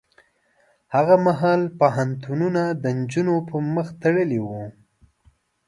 هغه مهال پوهنتونونه د نجونو پر مخ تړلي وو.